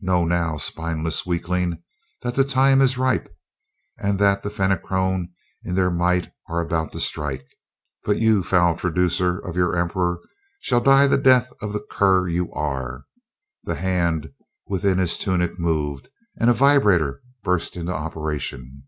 Know now, spineless weakling, that the time is ripe, and that the Fenachrone in their might are about to strike. But you, foul traducer of your emperor, shall die the death of the cur you are!" The hand within his tunic moved and a vibrator burst into operation.